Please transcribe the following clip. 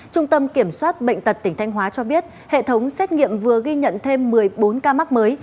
trung tâm kiểm soát bệnh tật tỉnh thanh hóa cho biết hệ thống xét nghiệm vừa ghi nhận thêm một mươi bốn ca mắc mới